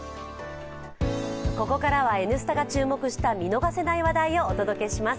ここからは「Ｎスタ」が注目した見逃せない話題をお届けします。